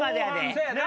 そうやな。